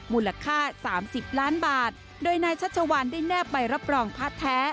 มูลค่า๓๐ล้านบาทโดยนายชัชวานได้แนบใบรับรองพระแท้